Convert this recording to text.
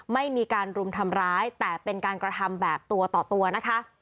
ไม่มีการรุมทำร้ายแต่เป็นการกระทำแบบตัวต่อตัวนะคะ